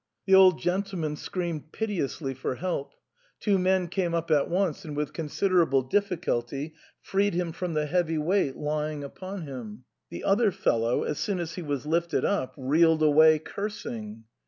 The old gentle man screamed piteously for help ; two men came up at once and with considerable difficulty freed him from the heavy weight lying upon him ; the other fellow, as soon as he was lifted up, reeled away cursing.